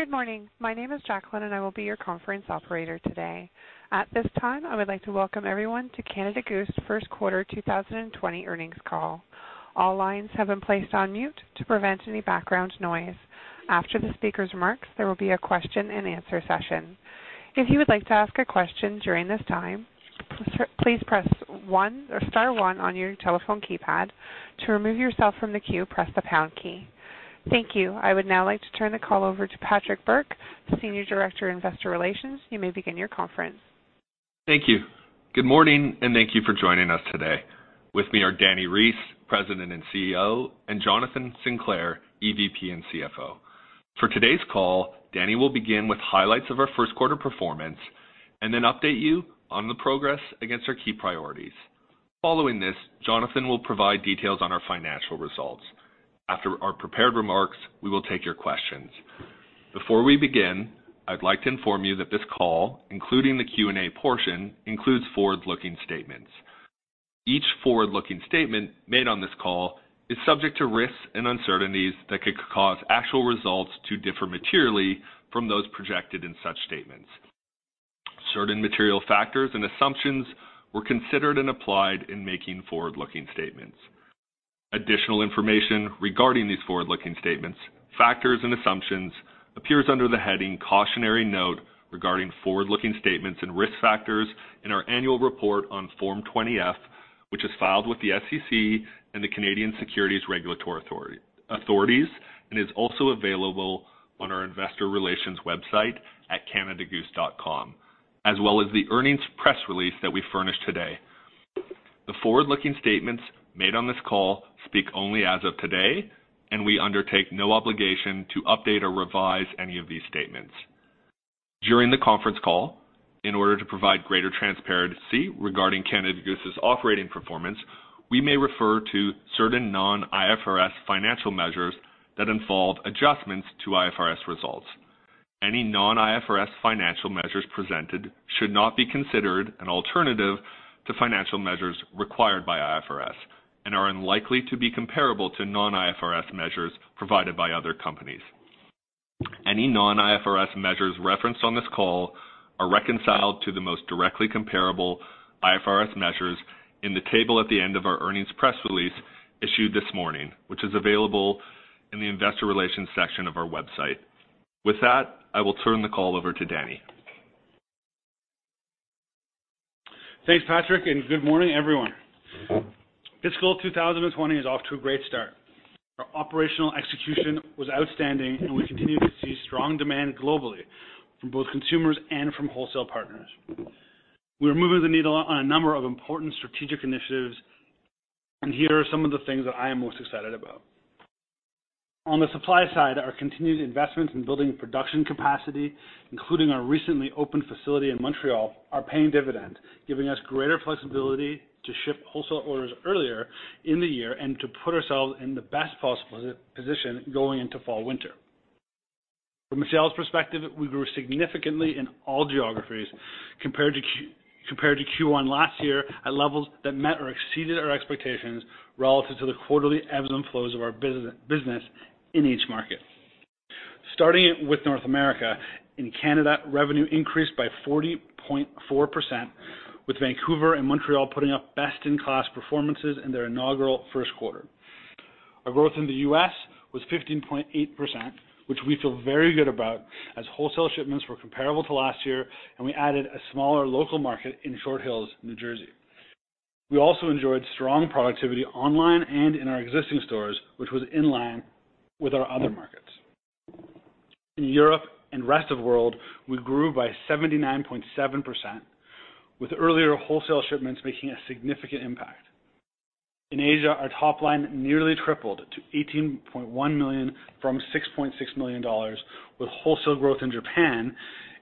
Good morning. My name is Jacqueline and I will be your conference operator today. At this time, I would like to welcome everyone to Canada Goose first quarter 2020 earnings call. All lines have been placed on mute to prevent any background noise. After the speaker's marks, there will be a question and answer session. If you would like to ask a question during this time, please press star one on your telephone keypad. To remove yourself from the queue, press the pound key. Thank you. I would now like to turn the call over to Patrick Bourke, Senior Director, Investor Relations. You may begin your conference. Thank you. Good morning, and thank you for joining us today. With me are Dani Reiss, President and CEO, and Jonathan Sinclair, EVP and CFO. For today's call, Dani will begin with highlights of our first quarter performance and then update you on the progress against our key priorities. Following this, Jonathan will provide details on our financial results. After our prepared remarks, we will take your questions. Before we begin, I'd like to inform you that this call, including the Q&A portion, includes forward-looking statements. Each forward-looking statement made on this call is subject to risks and uncertainties that could cause actual results to differ materially from those projected in such statements. Certain material factors and assumptions were considered and applied in making forward-looking statements. Additional information regarding these forward-looking statements, factors, and assumptions appears under the heading cautionary note regarding forward-looking statements and risk factors in our annual report on Form 20-F, which is filed with the SEC and the Canadian Securities Regulatory Authorities, and is also available on our investor relations website at canadagoose.com, as well as the earnings press release that we furnish today. The forward-looking statements made on this call speak only as of today, and we undertake no obligation to update or revise any of these statements. During the conference call, in order to provide greater transparency regarding Canada Goose's operating performance, we may refer to certain non-IFRS financial measures that involve adjustments to IFRS results. Any non-IFRS financial measures presented should not be considered an alternative to financial measures required by IFRS and are unlikely to be comparable to non-IFRS measures provided by other companies. Any non-IFRS measures referenced on this call are reconciled to the most directly comparable IFRS measures in the table at the end of our earnings press release issued this morning, which is available in the investor relations section of our website. With that, I will turn the call over to Dani. Thanks, Patrick. Good morning, everyone. Fiscal 2020 is off to a great start. Our operational execution was outstanding and we continue to see strong demand globally from both consumers and from wholesale partners. We are moving the needle on a number of important strategic initiatives. Here are some of the things that I am most excited about. On the supply side, our continued investments in building production capacity, including our recently opened facility in Montreal, are paying dividends, giving us greater flexibility to ship wholesale orders earlier in the year and to put ourselves in the best possible position going into fall/winter. From a sales perspective, we grew significantly in all geographies compared to Q1 last year at levels that met or exceeded our expectations relative to the quarterly ebbs and flows of our business in each market. Starting with North America. In Canada, revenue increased by 40.4%, with Vancouver and Montreal putting up best-in-class performances in their inaugural first quarter. Our growth in the U.S. was 15.8%, which we feel very good about, as wholesale shipments were comparable to last year, and we added a smaller local market in Short Hills, New Jersey. We also enjoyed strong productivity online and in our existing stores, which was in line with our other markets. In Europe and rest of world, we grew by 79.7%, with earlier wholesale shipments making a significant impact. In Asia, our top line nearly tripled to 18.1 million from 6.6 million dollars with wholesale growth in Japan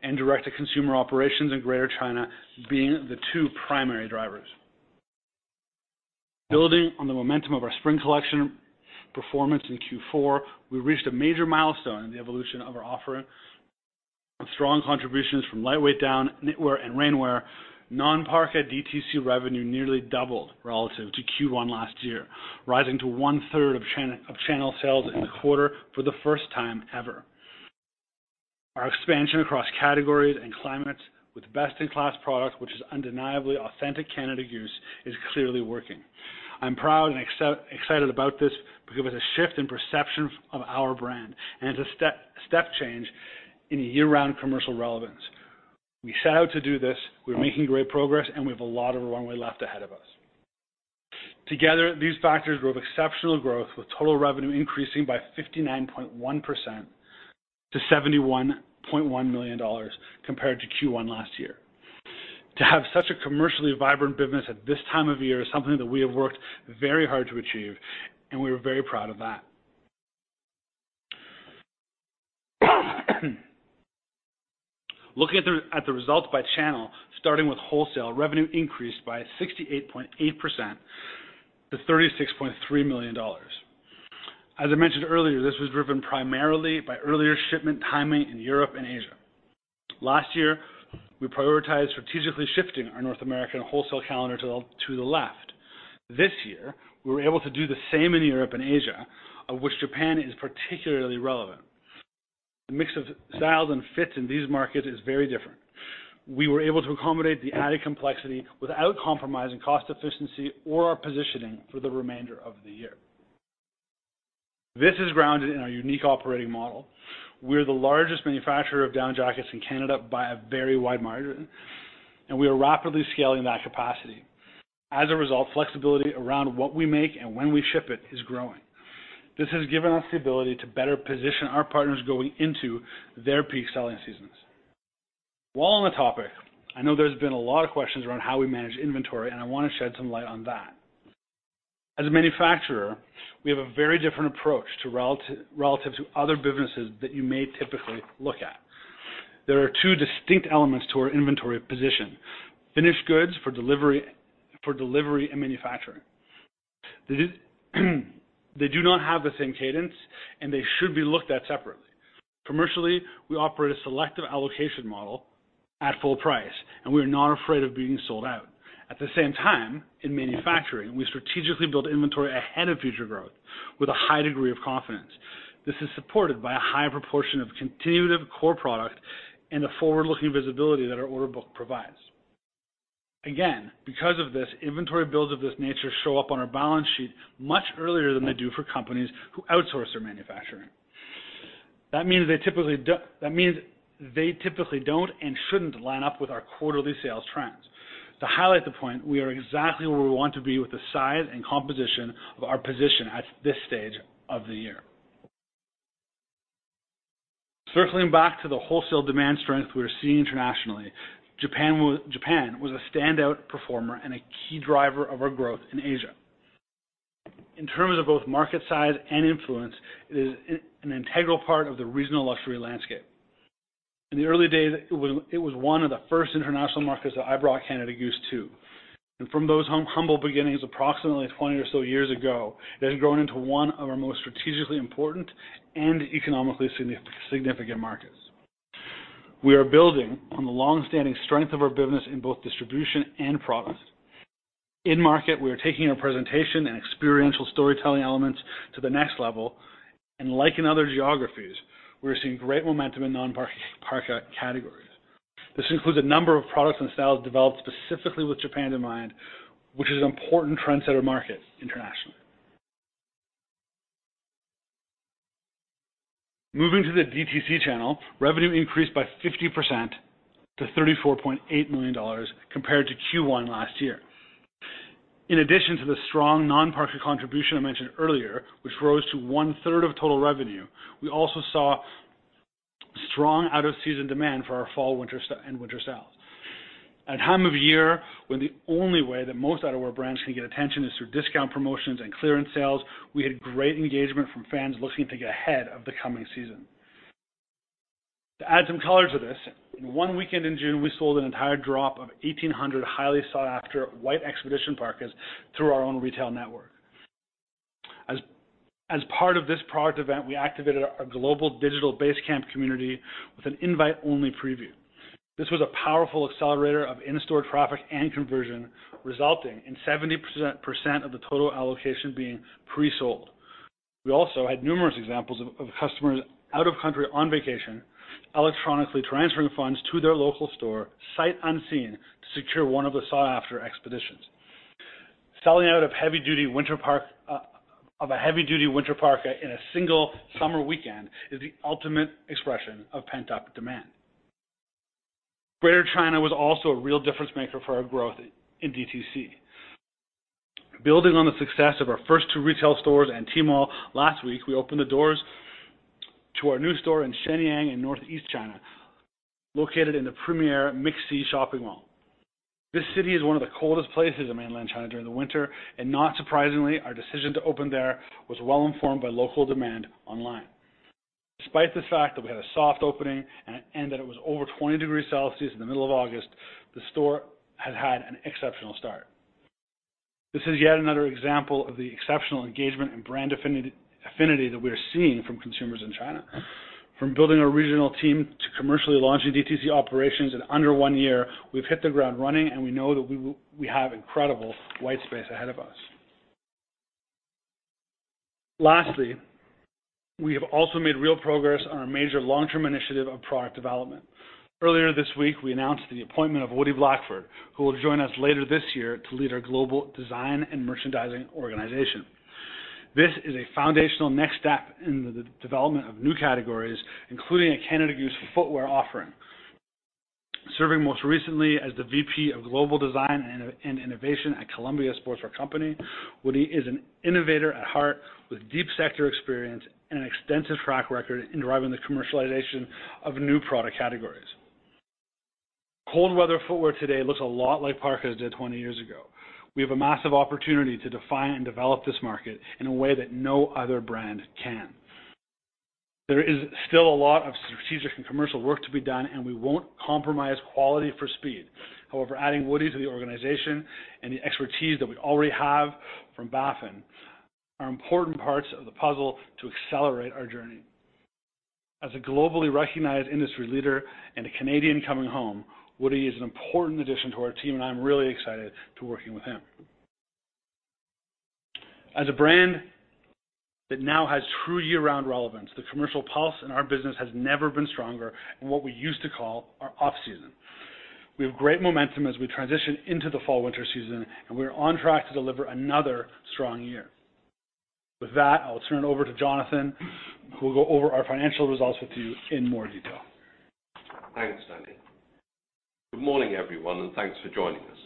and direct-to-consumer operations in Greater China being the two primary drivers. Building on the momentum of our spring collection performance in Q4, we reached a major milestone in the evolution of our offering with strong contributions from lightweight down, knitwear, and rainwear. Non-parka DTC revenue nearly doubled relative to Q1 last year, rising to one-third of channel sales in the quarter for the first time ever. Our expansion across categories and climates with best-in-class product, which is undeniably authentic Canada Goose, is clearly working. I'm proud and excited about this because it was a shift in perception of our brand, and it's a step change in year-round commercial relevance. We set out to do this, we're making great progress, and we have a lot of runway left ahead of us. Together, these factors drove exceptional growth, with total revenue increasing by 59.1% to 71.1 million dollars compared to Q1 last year. To have such a commercially vibrant business at this time of year is something that we have worked very hard to achieve, and we are very proud of that. Looking at the results by channel, starting with wholesale, revenue increased by 68.8% to 36.3 million dollars. As I mentioned earlier, this was driven primarily by earlier shipment timing in Europe and Asia. Last year, we prioritized strategically shifting our North American wholesale calendar to the left. This year, we were able to do the same in Europe and Asia, of which Japan is particularly relevant. The mix of styles and fits in these markets is very different. We were able to accommodate the added complexity without compromising cost efficiency or our positioning for the remainder of the year. This is grounded in our unique operating model. We're the largest manufacturer of down jackets in Canada by a very wide margin, and we are rapidly scaling that capacity. As a result, flexibility around what we make and when we ship it is growing. This has given us the ability to better position our partners going into their peak selling seasons. While on the topic, I know there has been a lot of questions around how we manage inventory, and I want to shed some light on that. As a manufacturer, we have a very different approach relative to other businesses that you may typically look at. There are two distinct elements to our inventory position, finished goods for delivery and manufacturing. They do not have the same cadence, and they should be looked at separately. Commercially, we operate a selective allocation model at full price, and we are not afraid of being sold out. At the same time, in manufacturing, we strategically build inventory ahead of future growth with a high degree of confidence. This is supported by a high proportion of continuative core product and the forward-looking visibility that our order book provides. Because of this, inventory builds of this nature show up on our balance sheet much earlier than they do for companies who outsource their manufacturing. That means they typically don't and shouldn't line up with our quarterly sales trends. To highlight the point, we are exactly where we want to be with the size and composition of our position at this stage of the year. Circling back to the wholesale demand strength we are seeing internationally, Japan was a standout performer and a key driver of our growth in Asia. In terms of both market size and influence, it is an integral part of the regional luxury landscape. In the early days, it was one of the first international markets that I brought Canada Goose to. From those humble beginnings, approximately 20 or so years ago, it has grown into one of our most strategically important and economically significant markets. We are building on the longstanding strength of our business in both distribution and products. In market, we are taking our presentation and experiential storytelling elements to the next level, and like in other geographies, we're seeing great momentum in non-parka categories. This includes a number of products and styles developed specifically with Japan in mind, which is an important trendsetter market internationally. Moving to the DTC channel, revenue increased by 50% to 34.8 million dollars compared to Q1 last year. In addition to the strong non-parka contribution I mentioned earlier, which rose to one-third of total revenue, we also saw strong out-of-season demand for our fall and winter sales. At time of year, when the only way that most outerwear brands can get attention is through discount promotions and clearance sales, we had great engagement from fans looking to get ahead of the coming season. To add some color to this, in one weekend in June, we sold an entire drop of 1,800 highly sought-after White Expedition Parkas through our own retail network. As part of this product event, we activated our global digital Base Camp community with an invite-only preview. This was a powerful accelerator of in-store traffic and conversion, resulting in 70% of the total allocation being pre-sold. We also had numerous examples of customers out of country on vacation, electronically transferring funds to their local store, sight unseen, to secure one of the sought-after Expeditions. Selling out of a heavy-duty winter parka in a single summer weekend is the ultimate expression of pent-up demand. Greater China was also a real difference maker for our growth in DTC. Building on the success of our first two retail stores and Tmall, last week, we opened the doors to our new store in Shenyang in Northeast China, located in the premier MixC shopping mall. This city is one of the coldest places in mainland China during the winter. Not surprisingly, our decision to open there was well informed by local demand online. Despite the fact that we had a soft opening and that it was over 20 degrees Celsius in the middle of August, the store has had an exceptional start. This is yet another example of the exceptional engagement and brand affinity that we're seeing from consumers in China. From building a regional team to commercially launching DTC operations in under one year, we've hit the ground running and we know that we have incredible white space ahead of us. Lastly, we have also made real progress on our major long-term initiative of product development. Earlier this week, we announced the appointment of Woody Blackford, who will join us later this year to lead our global design and merchandising organization. This is a foundational next step in the development of new categories, including a Canada Goose footwear offering. Serving most recently as the VP of Global Design and Innovation at Columbia Sportswear Company, Woody is an innovator at heart with deep sector experience and an extensive track record in driving the commercialization of new product categories. Cold weather footwear today looks a lot like parkas did 20 years ago. We have a massive opportunity to define and develop this market in a way that no other brand can. There is still a lot of strategic and commercial work to be done, and we won't compromise quality for speed. However, adding Woody to the organization and the expertise that we already have from Baffin are important parts of the puzzle to accelerate our journey. As a globally recognized industry leader and a Canadian coming home, Woody is an important addition to our team, and I'm really excited to working with him. As a brand that now has true year-round relevance, the commercial pulse in our business has never been stronger in what we used to call our off-season. We have great momentum as we transition into the fall/winter season, and we're on track to deliver another strong year. With that, I'll turn it over to Jonathan, who will go over our financial results with you in more detail. Thanks, Dani. Good morning, everyone, thanks for joining us.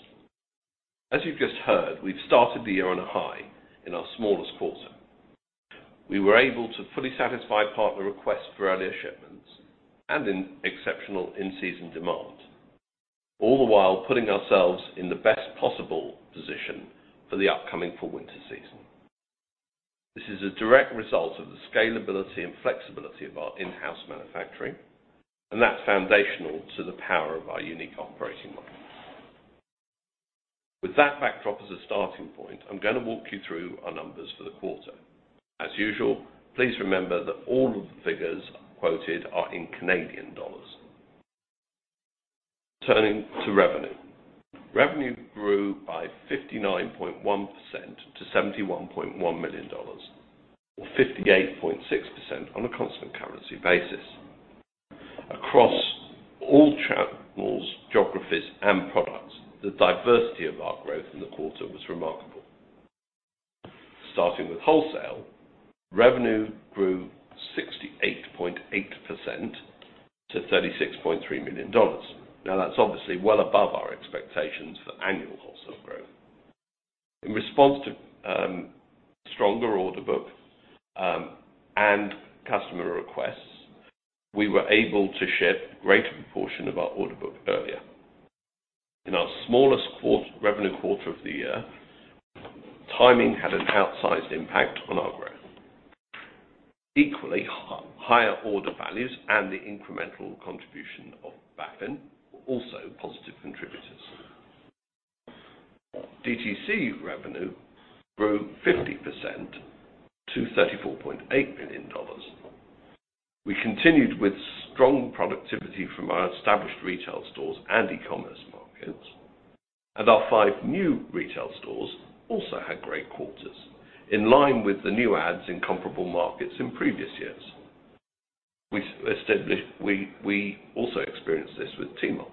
As you've just heard, we've started the year on a high in our smallest quarter. We were able to fully satisfy partner requests for earlier shipments and exceptional in-season demand, all the while putting ourselves in the best possible position for the upcoming fall/winter season. This is a direct result of the scalability and flexibility of our in-house manufacturing, that's foundational to the power of our unique operating model. With that backdrop as a starting point, I'm going to walk you through our numbers for the quarter. As usual, please remember that all of the figures quoted are in CAD. Turning to revenue. Revenue grew by 59.1% to 71.1 million dollars, or 58.6% on a constant currency basis. Across all channels, geographies, and products, the diversity of our growth in the quarter was remarkable. Starting with wholesale, revenue grew 68.8% to 36.3 million dollars. That's obviously well above our expectations for annual wholesale growth. In response to stronger order book and customer requests, we were able to ship a greater proportion of our order book earlier. In our smallest revenue quarter of the year, timing had an outsized impact on our growth. Equally, higher order values and the incremental contribution of Baffin were also positive contributors. DTC revenue grew 50% to 34.8 million dollars. We continued with strong productivity from our established retail stores and e-commerce markets, and our five new retail stores also had great quarters, in line with the new adds in comparable markets in previous years. We also experienced this with Tmall.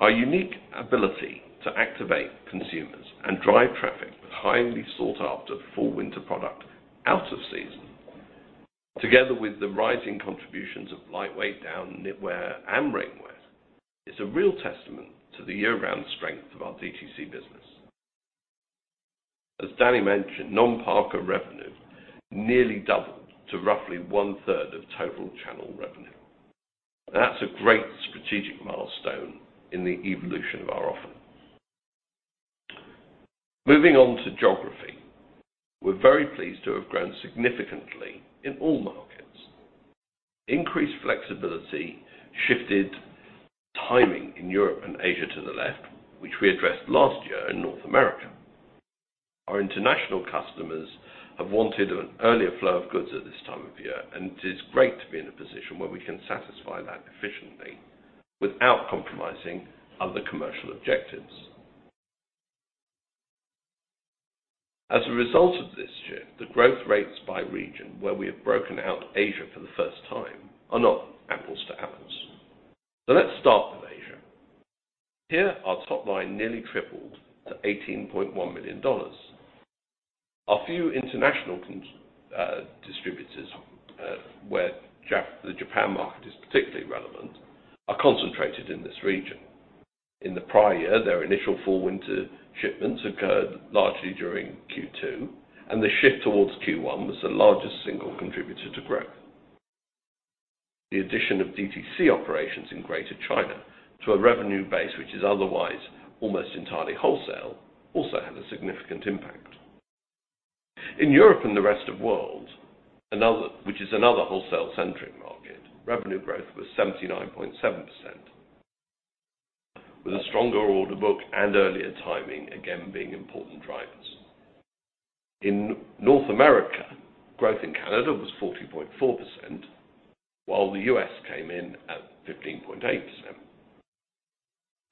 Our unique ability to activate consumers and drive traffic with highly sought-after fall/winter product out of season, together with the rising contributions of lightweight down knitwear and rainwear, is a real testament to the year-round strength of our DTC business. As Dani mentioned, non-parka revenue nearly doubled to roughly one-third of total channel revenue. That's a great strategic milestone in the evolution of our offering. Moving on to geography. We're very pleased to have grown significantly in all markets. Increased flexibility shifted timing in Europe and Asia to the left, which we addressed last year in North America. Our international customers have wanted an earlier flow of goods at this time of year, and it is great to be in a position where we can satisfy that efficiently without compromising other commercial objectives. As a result of this shift, the growth rates by region where we have broken out Asia for the first time are not apples to apples. Let's start with Asia. Here, our top line nearly tripled to 18.1 million dollars. Our few international distributors, where the Japan market is particularly relevant, are concentrated in this region. In the prior year, their initial fall/winter shipments occurred largely during Q2, and the shift towards Q1 was the largest single contributor to growth. The addition of DTC operations in Greater China to a revenue base, which is otherwise almost entirely wholesale, also had a significant impact. In Europe and the rest of world, which is another wholesale-centric market, revenue growth was 79.7%, with a stronger order book and earlier timing again being important drivers. In North America, growth in Canada was 40.4%, while the U.S. came in at 15.8%.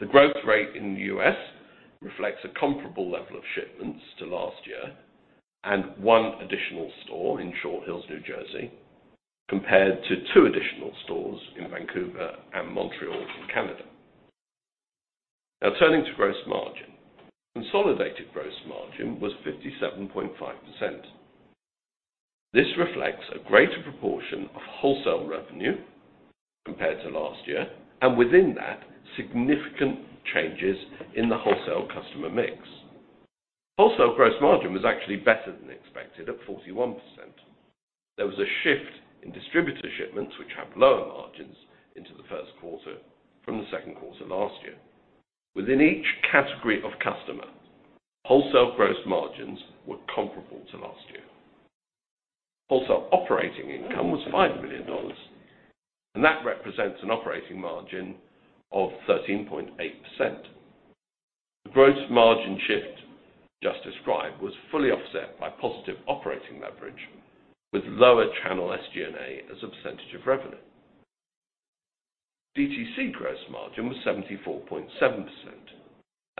The growth rate in the U.S. reflects a comparable level of shipments to last year and one additional store in Short Hills, New Jersey, compared to two additional stores in Vancouver and Montreal in Canada. Turning to gross margin. Consolidated gross margin was 57.5%. This reflects a greater proportion of wholesale revenue compared to last year and within that, significant changes in the wholesale customer mix. Wholesale gross margin was actually better than expected at 41%. There was a shift in distributor shipments, which have lower margins into the first quarter from the second quarter last year. Within each category of customer, wholesale gross margins were comparable. Operating income was 5 million dollars, and that represents an operating margin of 13.8%. The gross margin shift just described was fully offset by positive operating leverage with lower channel SG&A as a percentage of revenue. DTC gross margin was 74.7%.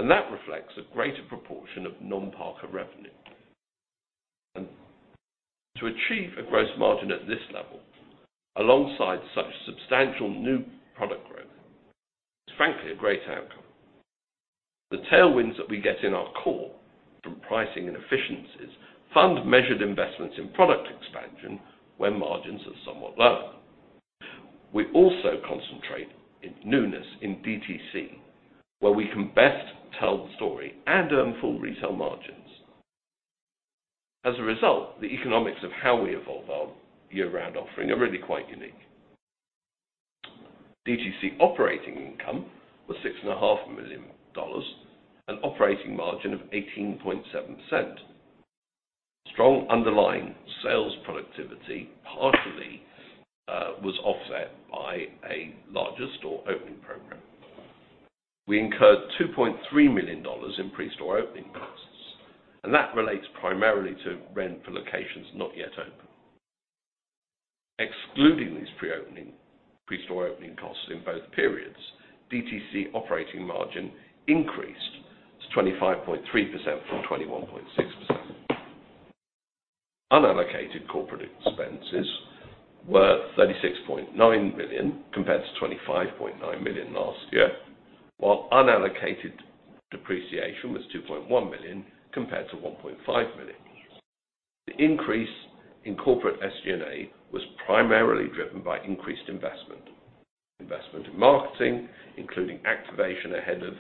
That reflects a greater proportion of non-parka revenue. To achieve a gross margin at this level alongside such substantial new product growth is frankly a great outcome. The tailwinds that we get in our core from pricing and efficiencies fund measured investments in product expansion when margins are somewhat lower. We also concentrate in newness in DTC, where we can best tell the story and earn full retail margins. As a result, the economics of how we evolve our year-round offering are really quite unique. DTC operating income was 6.5 million dollars, an operating margin of 18.7%. Strong underlying sales productivity partly was offset by a larger store opening program. We incurred 2.3 million dollars in pre-store opening costs. That relates primarily to rent for locations not yet open. Excluding these pre-store opening costs in both periods, DTC operating margin increased to 25.3% from 21.6%. Unallocated corporate expenses were 36.9 million compared to 25.9 million last year, while unallocated depreciation was 2.1 million compared to 1.5 million. The increase in corporate SG&A was primarily driven by increased investment. Investment in marketing, including activation ahead of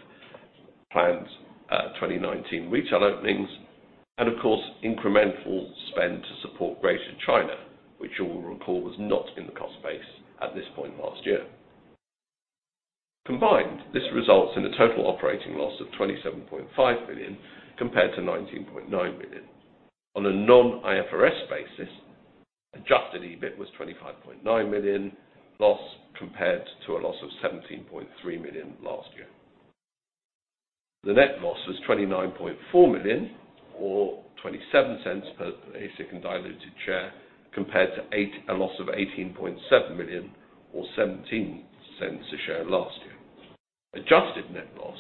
planned 2019 retail openings and, of course, incremental spend to support Greater China, which you will recall was not in the cost base at this point last year. Combined, this results in a total operating loss of 27.5 million compared to 19.9 million. On a non-IFRS basis, adjusted EBIT was 25.9 million loss compared to a loss of 17.3 million last year. The net loss was 29.4 million or 0.27 per basic and diluted share compared to a loss of 18.7 million or 0.17 a share last year. Adjusted net loss,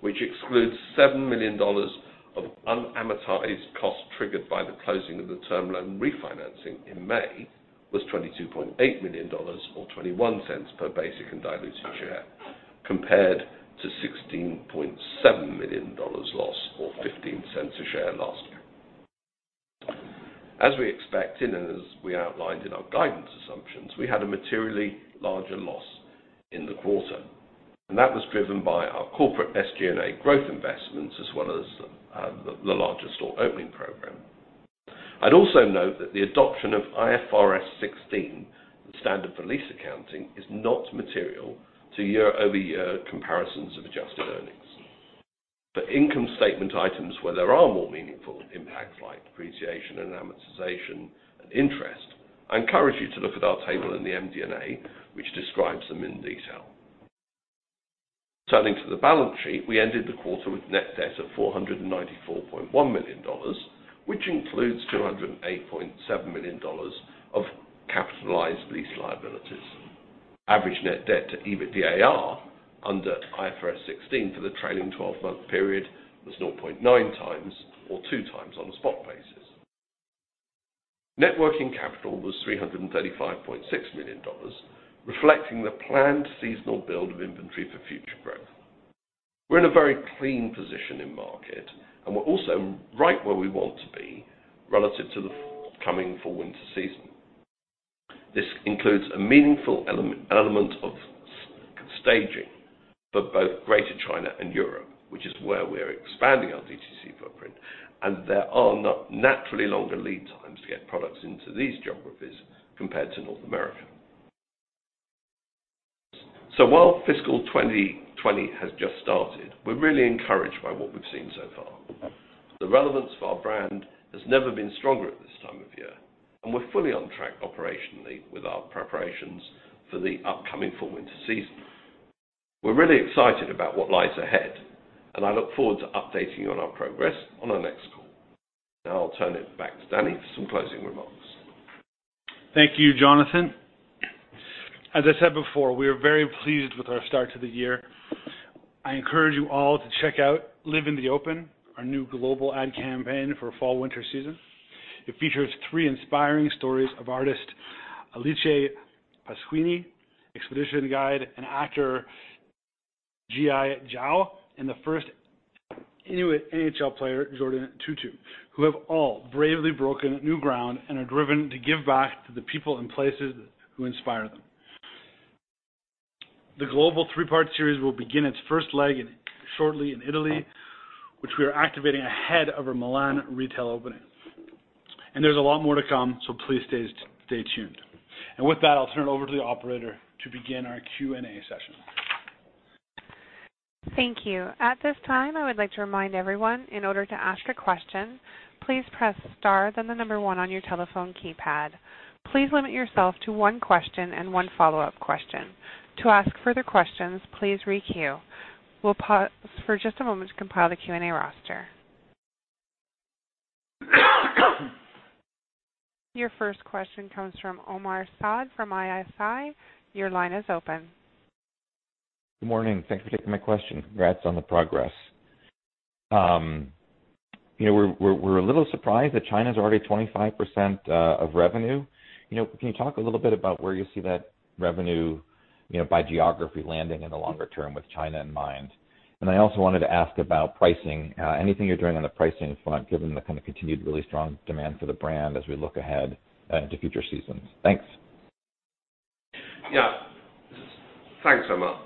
which excludes 7 million dollars of unamortized cost triggered by the closing of the term loan refinancing in May, was 22.8 million dollars or 0.21 per basic and diluted share, compared to 16.7 million dollars loss or 0.15 a share last year. As we expected, as we outlined in our guidance assumptions, we had a materially larger loss in the quarter, that was driven by our corporate SG&A growth investments as well as the larger store opening program. I'd also note that the adoption of IFRS 16, the standard for lease accounting, is not material to year-over-year comparisons of adjusted earnings. For income statement items where there are more meaningful impacts like depreciation and amortization and interest, I encourage you to look at our table in the MD&A, which describes them in detail. Turning to the balance sheet, we ended the quarter with net debt of 494.1 million dollars, which includes 208.7 million dollars of capitalized lease liabilities. Average net debt to EBITDA under IFRS 16 for the trailing 12-month period was 0.9 times or two times on a spot basis. Net working capital was 335.6 million dollars, reflecting the planned seasonal build of inventory for future growth. We're in a very clean position in market, and we're also right where we want to be relative to the coming fall-winter season. This includes a meaningful element of staging for both Greater China and Europe, which is where we're expanding our DTC footprint, and there are naturally longer lead times to get products into these geographies compared to North America. While fiscal 2020 has just started, we're really encouraged by what we've seen so far. The relevance of our brand has never been stronger at this time of year, and we're fully on track operationally with our preparations for the upcoming fall-winter season. We're really excited about what lies ahead, and I look forward to updating you on our progress on our next call. Now I'll turn it back to Dani for some closing remarks. Thank you, Jonathan. As I said before, we are very pleased with our start to the year. I encourage you all to check out Live in the Open, our new global ad campaign for fall-winter season. It features three inspiring stories of artist Alice Pasquini, expedition guide and actor Jiayi Zhao, and the first Inuit NHL player, Jordin Tootoo, who have all bravely broken new ground and are driven to give back to the people and places who inspire them. The global three-part series will begin its first leg shortly in Italy, which we are activating ahead of our Milan retail opening. There's a lot more to come, so please stay tuned. With that, I'll turn it over to the operator to begin our Q&A session. Thank you. At this time, I would like to remind everyone, in order to ask a question, please press star then the number 1 on your telephone keypad. Please limit yourself to one question and one follow-up question. To ask further questions, please re-queue. We'll pause for just a moment to compile the Q&A roster. Your first question comes from Omar Saad from ISI. Your line is open. Good morning. Thanks for taking my question. Congrats on the progress. We're a little surprised that China's already 25% of revenue. Can you talk a little bit about where you see that revenue by geography landing in the longer term with China in mind? I also wanted to ask about pricing. Anything you're doing on the pricing front, given the continued really strong demand for the brand as we look ahead into future seasons? Thanks. Yeah. Thanks, Omar.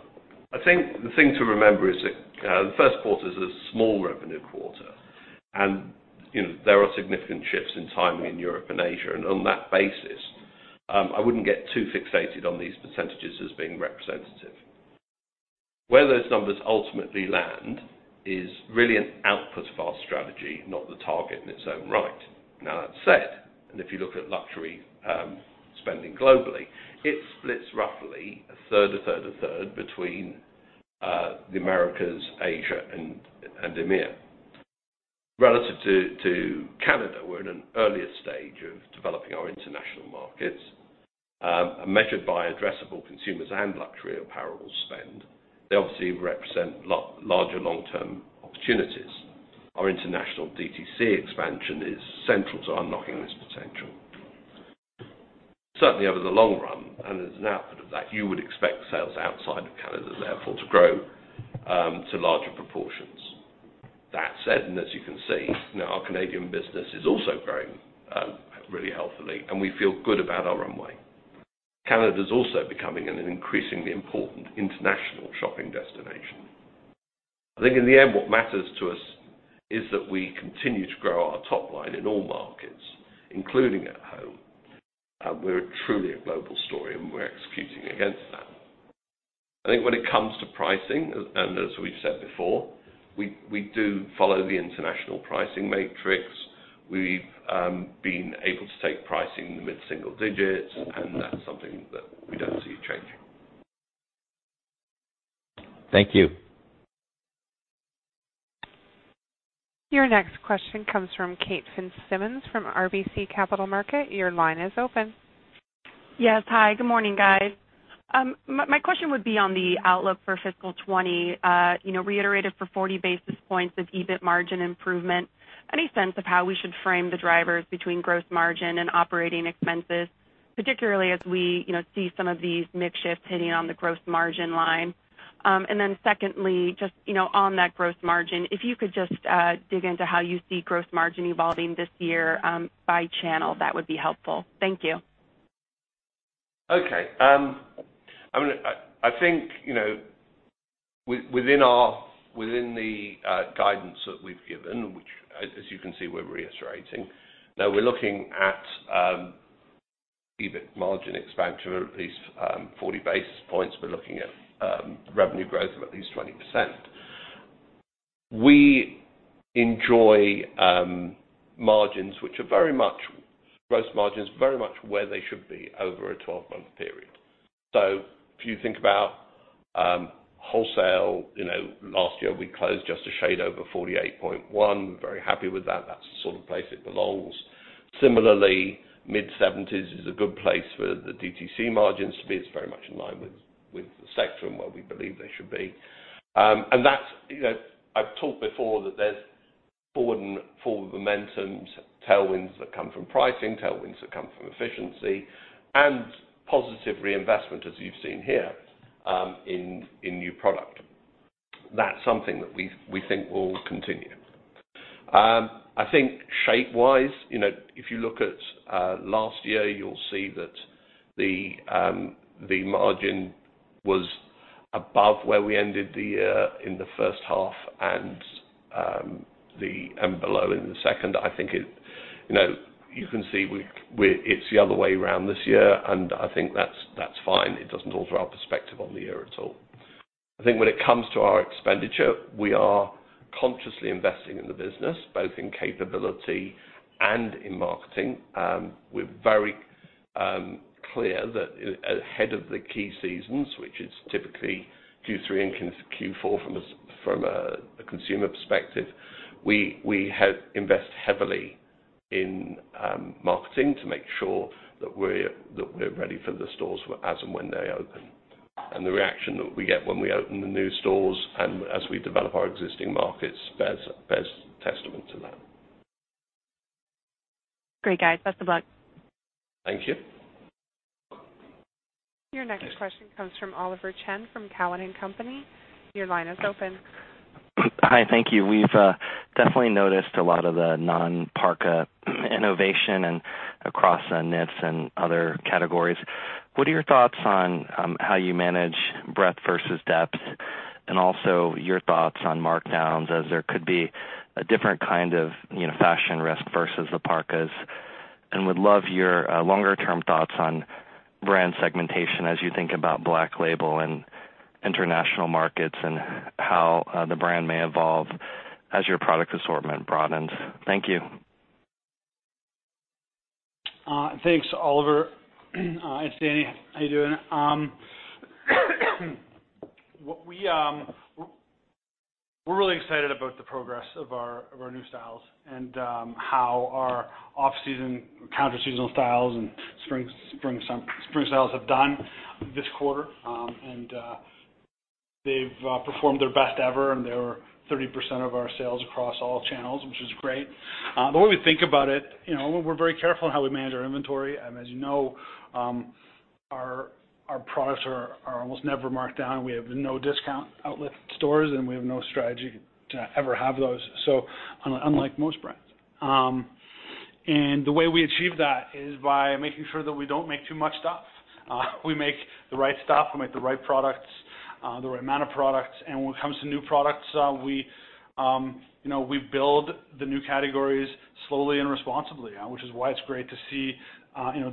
I think the thing to remember is that the first quarter is a small revenue quarter, and there are significant shifts in timing in Europe and Asia. On that basis, I wouldn't get too fixated on these percentages as being representative. Where those numbers ultimately land is really an output of our strategy, not the target in its own right. That said, if you look at luxury spending globally, it splits roughly a third, a third, a third between the Americas, Asia, and EMEA. Relative to Canada, we're in an earlier stage of developing our international markets. Measured by addressable consumers and luxury apparel spend, they obviously represent larger long-term opportunities. Our international DTC expansion is central to unlocking this potential. Certainly, over the long run, and as an output of that, you would expect sales outside of Canada, therefore, to grow to larger proportions. That said, and as you can see, our Canadian business is also growing really healthily, and we feel good about our runway. Canada's also becoming an increasingly important international shopping destination. I think in the end, what matters to us is that we continue to grow our top line in all markets, including at home. We're truly a global story, and we're executing against that. I think when it comes to pricing, and as we've said before, we do follow the international pricing matrix. We've been able to take pricing in the mid-single digits, and that's something that we don't see changing. Thank you. Your next question comes from Kate Fitzsimons from RBC Capital Markets. Your line is open. Yes. Hi, good morning, guys. My question would be on the outlook for fiscal 2020, reiterated for 40 basis points of EBIT margin improvement. Any sense of how we should frame the drivers between gross margin and operating expenses, particularly as we see some of these mix shifts hitting on the gross margin line? Secondly, just on that gross margin, if you could just dig into how you see gross margin evolving this year by channel, that would be helpful. Thank you. Okay. I think within the guidance that we've given, which as you can see, we're reiterating, now we're looking at EBIT margin expansion of at least 40 basis points. We're looking at revenue growth of at least 20%. We enjoy margins, gross margins very much where they should be over a 12-month period. If you think about wholesale, last year, we closed just a shade over 48.1. We're very happy with that. That's the sort of place it belongs. Similarly, mid-70s is a good place for the DTC margins to be. It's very much in line with the sector and where we believe they should be. I've talked before that there's forward momentum, tailwinds that come from pricing, tailwinds that come from efficiency, and positive reinvestment, as you've seen here, in new product. That's something that we think will continue. I think shape-wise, if you look at last year, you'll see that the margin was above where we ended the year in the first half and below in the second. You can see it's the other way around this year, and I think that's fine. It doesn't alter our perspective on the year at all. I think when it comes to our expenditure, we are consciously investing in the business, both in capability and in marketing. We're very clear that ahead of the key seasons, which is typically Q3 and Q4 from a consumer perspective, we invest heavily in marketing to make sure that we're ready for the stores as and when they open. The reaction that we get when we open the new stores and as we develop our existing markets bears testament to that. Great, guys. Best of luck. Thank you. Your next question comes from Oliver Chen from Cowen and Company. Your line is open. Hi, thank you. We've definitely noticed a lot of the non-parka innovation and across knits and other categories. What are your thoughts on how you manage breadth versus depth, and also your thoughts on markdowns as there could be a different kind of fashion risk versus the parkas. Would love your longer-term thoughts on brand segmentation as you think about Black Label and international markets, and how the brand may evolve as your product assortment broadens. Thank you. Thanks, Oliver. It's Dani. How you doing? We're really excited about the progress of our new styles and how our off-season, counter-seasonal styles and spring styles have done this quarter. They've performed their best ever, and they were 30% of our sales across all channels, which is great. The way we think about it, we're very careful in how we manage our inventory. As you know, our products are almost never marked down. We have no discount outlet stores, and we have no strategy to ever have those, unlike most brands. The way we achieve that is by making sure that we don't make too much stuff. We make the right stuff, we make the right products, the right amount of products, and when it comes to new products, we build the new categories slowly and responsibly, which is why it's great to see,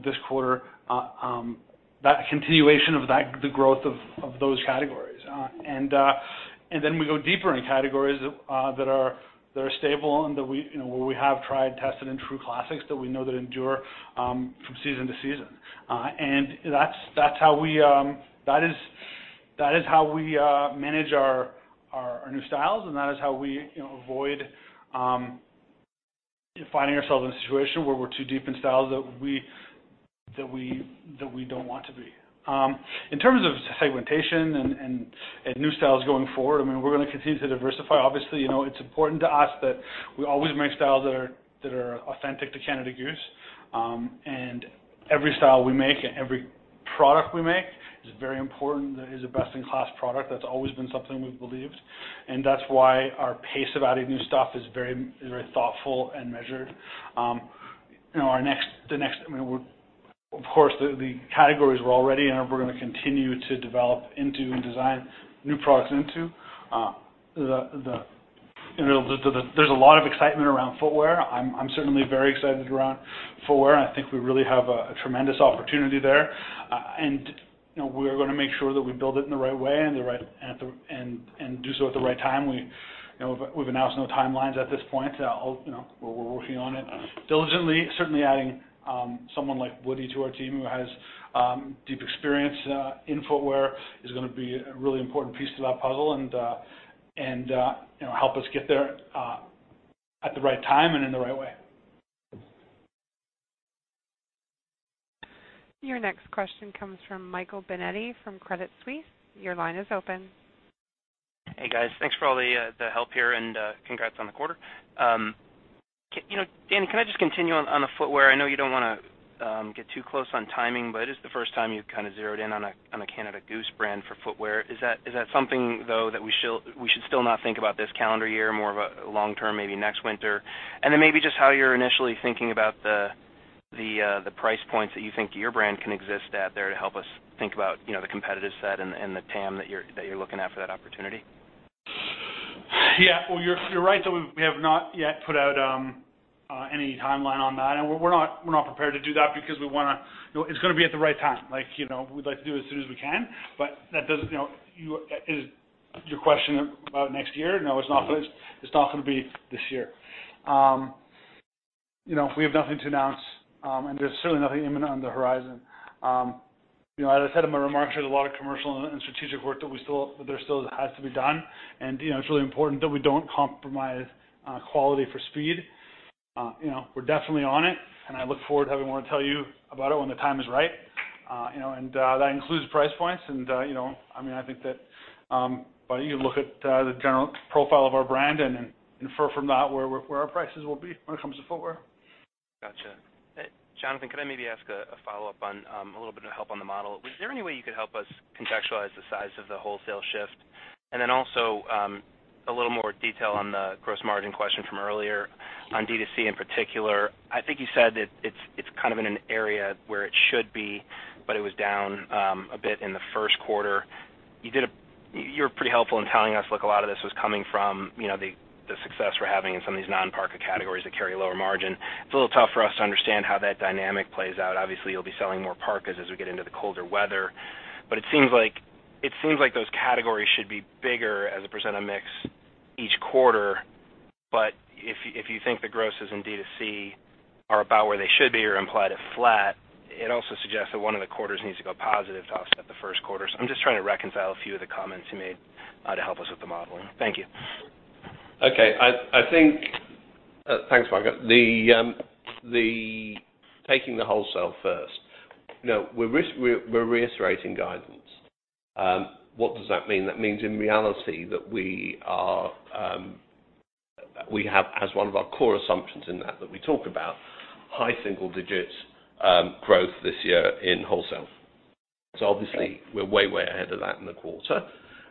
this quarter, that continuation of the growth of those categories. We go deeper into categories that are stable and where we have tried, tested, and true classics that we know that endure from season to season. That is how we manage our new styles, and that is how we avoid finding ourselves in a situation where we're too deep in styles that we don't want to be. In terms of segmentation and new styles going forward, we're going to continue to diversify. Obviously, it's important to us that we always make styles that are authentic to Canada Goose. Every style we make and every product we make is very important, that it is a best-in-class product. That's always been something we've believed, and that's why our pace of adding new stuff is very thoughtful and measured. Of course, the categories we're already in, we're going to continue to develop into and design new products into. There's a lot of excitement around footwear. I'm certainly very excited around footwear, and I think we really have a tremendous opportunity there. We are going to make sure that we build it in the right way and do so at the right time. We've announced no timelines at this point. We're working on it diligently. Certainly, adding someone like Woody to our team who has deep experience in footwear is going to be a really important piece to that puzzle and help us get there at the right time and in the right way. Your next question comes from Michael Binetti from Credit Suisse. Your line is open. Hey, guys. Thanks for all the help here, and congrats on the quarter. Dani, can I just continue on the footwear? I know you don't want to get too close on timing, but it is the first time you've kind of zeroed in on a Canada Goose brand for footwear. Is that something, though, that we should still not think about this calendar year, more of a long-term, maybe next winter? Then maybe just how you're initially thinking about the price points that you think your brand can exist at there to help us think about the competitive set and the TAM that you're looking at for that opportunity? Yeah. Well, you're right that we have not yet put out any timeline on that, and we're not prepared to do that because it's going to be at the right time. We'd like to do it as soon as we can. Is your question about next year? No, it's not going to be this year. We have nothing to announce, and there's certainly nothing imminent on the horizon. As I said in my remarks, there's a lot of commercial and strategic work that still has to be done, and it's really important that we don't compromise quality for speed. We're definitely on it, and I look forward to having more to tell you about it when the time is right. That includes price points, and I think that you can look at the general profile of our brand and infer from that where our prices will be when it comes to footwear. Got you. Jonathan, could I maybe ask a follow-up on a little bit of help on the model? Is there any way you could help us contextualize the size of the wholesale shift? A little more detail on the gross margin question from earlier on D2C in particular. I think you said that it's kind of in an area where it should be, but it was down a bit in the first quarter. You were pretty helpful in telling us, look, a lot of this was coming from the success we're having in some of these non-parka categories that carry a lower margin. It's a little tough for us to understand how that dynamic plays out. Obviously, you'll be selling more parkas as we get into the colder weather. It seems like those categories should be bigger as a percent of mix each quarter. If you think the grosses in D2C are about where they should be or implied a flat, it also suggests that one of the quarters needs to go positive to offset the first quarter. I am just trying to reconcile a few of the comments you made to help us with the modeling. Thank you. Okay. Thanks, Michael. Taking the wholesale first. We're reiterating guidance. What does that mean? That means, in reality, that we have as one of our core assumptions in that we talk about high single digits growth this year in wholesale. Obviously, we're way ahead of that in the quarter.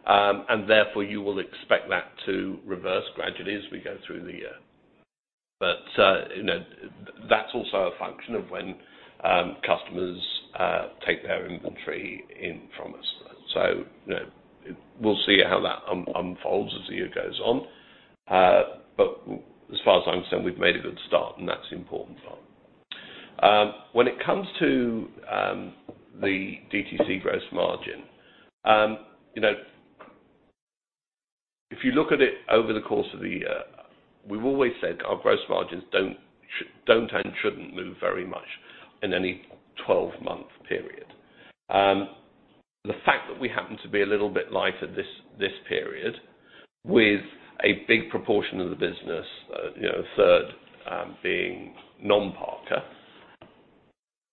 Therefore, you will expect that to reverse gradually as we go through the year. That's also a function of when customers take their inventory in from us. We'll see how that unfolds as the year goes on. As far as I'm concerned, we've made a good start, and that's the important part. When it comes to the DTC gross margin, if you look at it over the course of the year, we've always said our gross margins don't and shouldn't move very much in any 12-month period. The fact that we happen to be a little bit lighter this period with a big proportion of the business, a third being non-parka,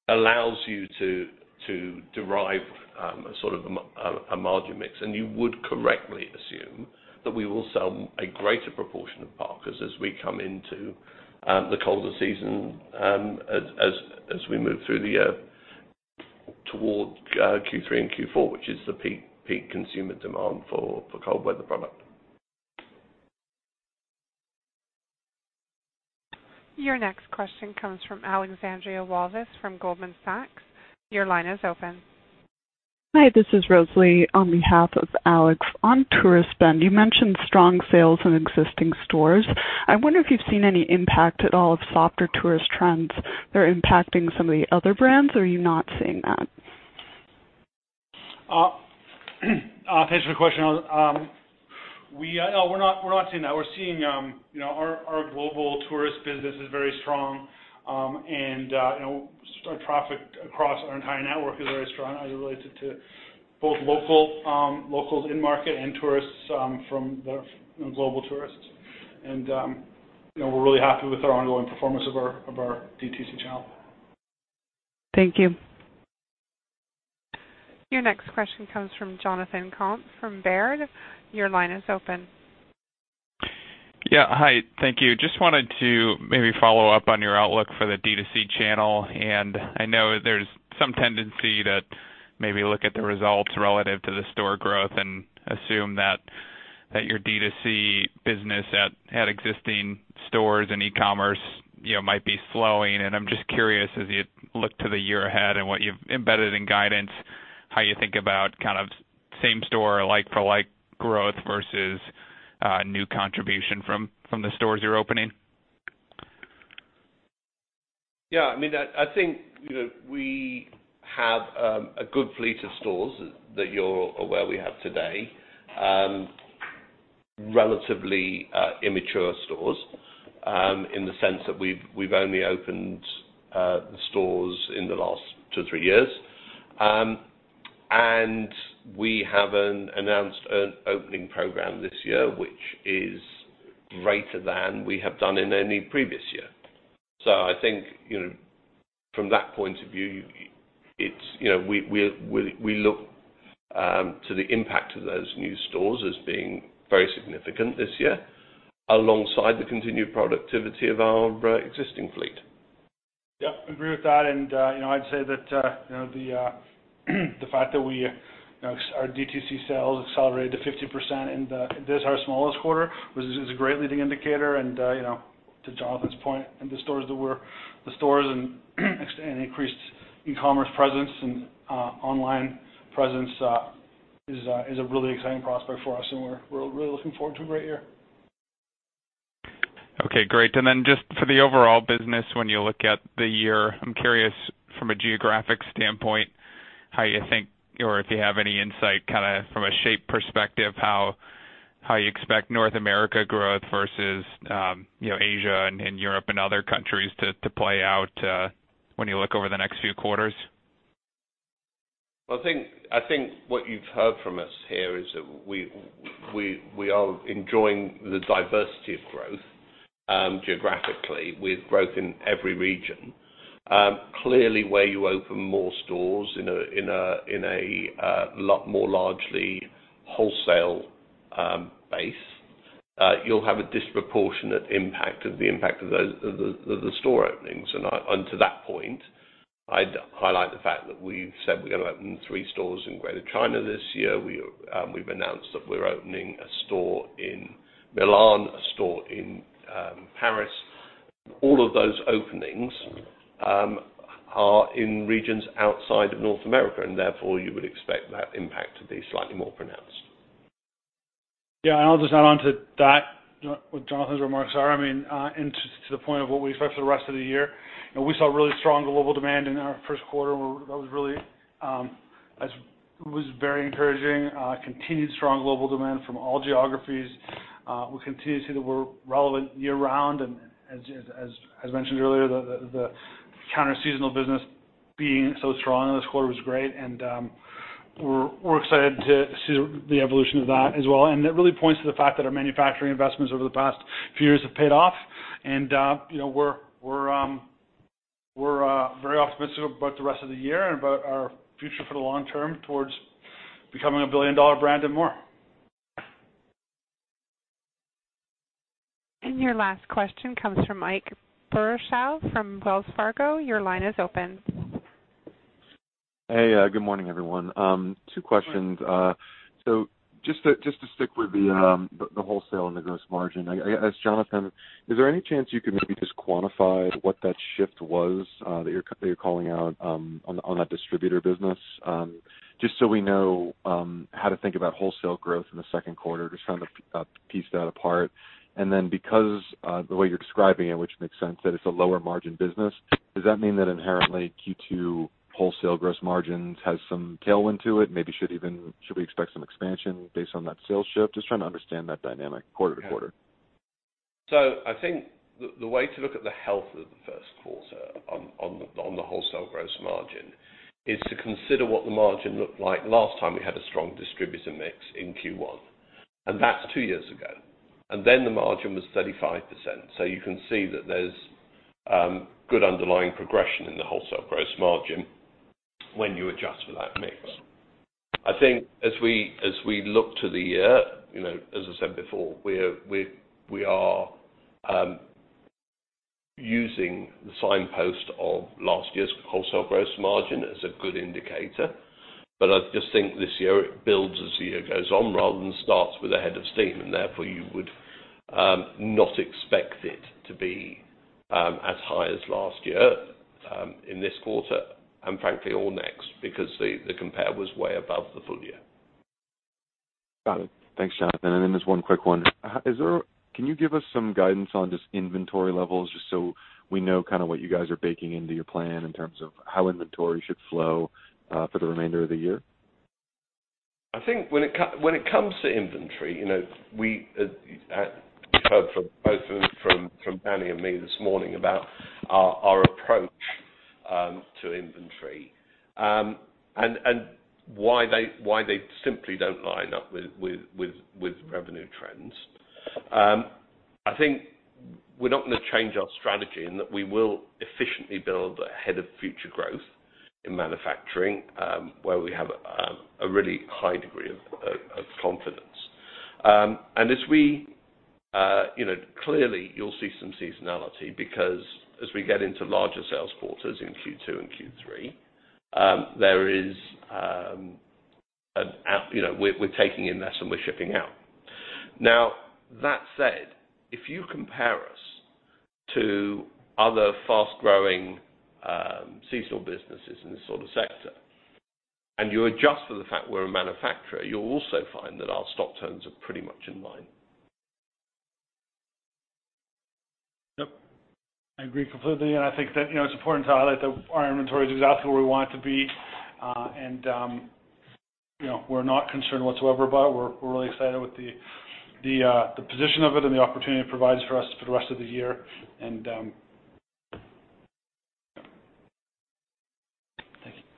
allows you to derive a sort of a margin mix, and you would correctly assume that we will sell a greater proportion of parkas as we come into the colder season, as we move through the year towards Q3 and Q4, which is the peak consumer demand for cold weather product. Your next question comes from Alexandra Walvis from Goldman Sachs. Your line is open. Hi, this is Rosalie on behalf of Alex. On tourist spend, you mentioned strong sales in existing stores. I wonder if you've seen any impact at all of softer tourist trends that are impacting some of the other brands, or are you not seeing that? Thanks for the question. We're not seeing that. Our global tourist business is very strong. Our traffic across our entire network is very strong as it relates to both locals in market and global tourists. We're really happy with our ongoing performance of our DTC channel. Thank you. Your next question comes from Jonathan Komp from Baird. Your line is open. Hi, thank you. Just wanted to maybe follow up on your outlook for the D2C channel. I know there's some tendency to maybe look at the results relative to the store growth and assume that your D2C business at existing stores and e-commerce might be slowing. I'm just curious, as you look to the year ahead and what you've embedded in guidance, how you think about kind of same store, like-for-like growth versus new contribution from the stores you're opening. Yeah. I think we have a good fleet of stores that you're aware we have today. Relatively immature stores in the sense that we've only opened stores in the last two, three years. We have announced an opening program this year, which is greater than we have done in any previous year. I think from that point of view, we look to the impact of those new stores as being very significant this year, alongside the continued productivity of our existing fleet. Yeah, agree with that. I'd say that the fact that our DTC sales accelerated to 50% in this, our smallest quarter, is a great leading indicator. To Jonathan's point, in the stores and increased e-commerce presence and online presence is a really exciting prospect for us, and we're really looking forward to a great year. Okay, great. Just for the overall business, when you look at the year, I'm curious from a geographic standpoint, how you think or if you have any insight from a shape perspective, how you expect North America growth versus Asia and Europe and other countries to play out when you look over the next few quarters. I think what you've heard from us here is that we are enjoying the diversity of growth geographically with growth in every region. Clearly, where you open more stores in a lot more largely wholesale base, you'll have a disproportionate impact of the impact of the store openings. Unto that point, I'd highlight the fact that we've said we're going to open three stores in Greater China this year. We've announced that we're opening a store in Milan, a store in Paris. All of those openings are in regions outside of North America, and therefore, you would expect that impact to be slightly more pronounced. Yeah, I'll just add on to that, what Jonathan's remarks are. To the point of what we expect for the rest of the year, we saw really strong global demand in our first quarter. That was very encouraging. Continued strong global demand from all geographies. We continue to see that we're relevant year-round, and as mentioned earlier, the counter-seasonal business being so strong this quarter was great, and we're excited to see the evolution of that as well. It really points to the fact that our manufacturing investments over the past few years have paid off. We're very optimistic about the rest of the year and about our future for the long term towards becoming a billion-dollar brand and more. Your last question comes from Ike Boruchow from Wells Fargo. Your line is open. Hey, good morning, everyone. Two questions. Just to stick with the wholesale and the gross margin. I asked Jonathan, is there any chance you could maybe just quantify what that shift was that you're calling out on that distributor business? Just so we know how to think about wholesale growth in the second quarter, just trying to piece that apart. Because of the way you're describing it, which makes sense, that it's a lower margin business, does that mean that inherently Q2 wholesale gross margins has some tailwind to it? Maybe should we expect some expansion based on that sales shift? Just trying to understand that dynamic quarter to quarter. I think the way to look at the health of the first quarter on the wholesale gross margin is to consider what the margin looked like last time we had a strong distributor mix in Q1, and that's two years ago. The margin was 35%. You can see that there's good underlying progression in the wholesale gross margin when you adjust for that mix. I think as we look to the year, as I said before, we are using the signpost of last year's wholesale gross margin as a good indicator. I just think this year it builds as the year goes on rather than starts with a head of steam, and therefore you would not expect it to be as high as last year in this quarter, and frankly all next because the compare was way above the full year. Got it. Thanks, Jonathan. Then there's one quick one. Can you give us some guidance on just inventory levels, just so we know what you guys are baking into your plan in terms of how inventory should flow for the remainder of the year? I think when it comes to inventory, you heard from both from Dani and me this morning about our approach to inventory, why they simply don't line up with revenue trends. I think we're not going to change our strategy and that we will efficiently build ahead of future growth in manufacturing, where we have a really high degree of confidence. Clearly, you'll see some seasonality because as we get into larger sales quarters in Q2 and Q3, we're taking in less than we're shipping out. That said, if you compare us to other fast-growing seasonal businesses in this sort of sector, you adjust for the fact we're a manufacturer, you'll also find that our stock turns are pretty much in line. Yep. I agree completely, I think that it's important to highlight that our inventory is exactly where we want it to be. We're not concerned whatsoever about it. We're really excited with the position of it and the opportunity it provides for us for the rest of the year. Thank you.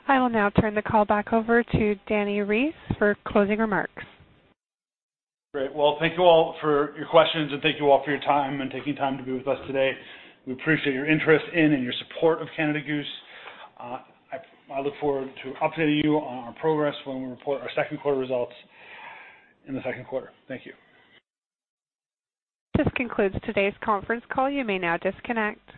I will now turn the call back over to Dani Reiss for closing remarks. Great. Well, thank you all for your questions, and thank you all for your time and taking time to be with us today. We appreciate your interest in and your support of Canada Goose. I look forward to updating you on our progress when we report our second quarter results in the second quarter. Thank you. This concludes today's conference call. You may now disconnect.